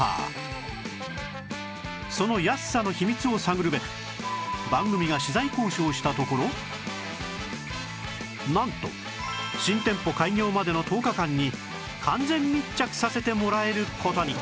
その安さの秘密を探るべく番組がなんと新店舗開業までの１０日間に完全密着させてもらえる事に！